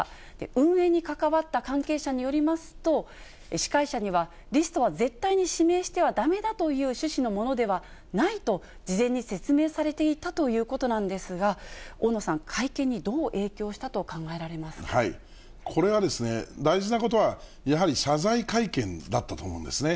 運営に関わった関係者によりますと、司会者には、リストは絶対に指名してはだめだという趣旨のものではないと事前に説明されていたということなんですが、大野さん、会見にどう影響したと考えらこれはですね、大事なことは、やはり謝罪会見だったと思うんですね。